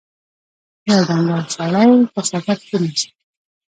يو ډنګر سړی پر څادر کېناست.